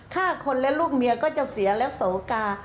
ฆ่าคนและลูกเมียก็จะเสียและโสกา